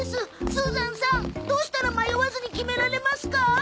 スーザンさんどうしたら迷わずに決められますか？